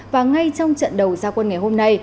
và ngay trong trận đầu gia quân ngày hôm nay